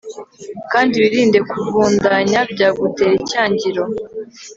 kandi wirinde kuvundanya, byagutera icyangiro